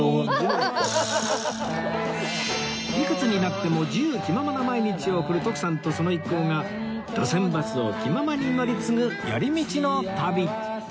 いくつになっても自由気ままな毎日を送る徳さんとその一行が路線バスを気ままに乗り継ぐ寄り道の旅